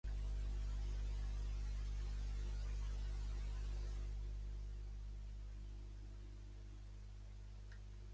La zona de l'actual Kawamata formava part de l'antiga província de Mutsu.